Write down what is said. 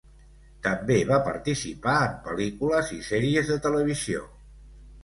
També va participar en pel·lícules i sèries de televisió.